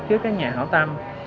trước các nhà hảo tâm